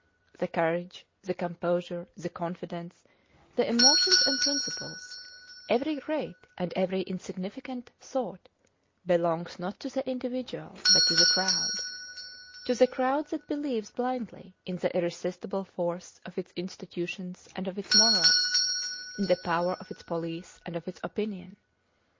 The courage, the composure, the confidence; the emotions and principles; every great and every insignificant thought belongs not to the individual but to the crowd: to the crowd that believes blindly in the irresistible force of its institutions and of its morals, in the power of its police and of its opinion.